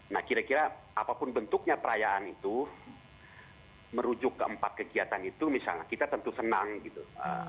nah kira kira apapun bentuknya perayaan itu merujuk ke empat kegiatan itu misalnya kita tentu senang gitu